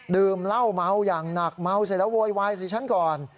ดื่มเหล้าเมาอย่างหนักเมาเสร็จแล้วโวยวายสิฉันก่อน